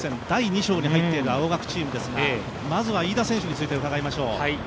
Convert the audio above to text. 第２章に入っている青学チームですが、まずは飯田選手について伺いましょう。